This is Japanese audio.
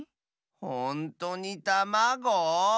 ほんとにたまご？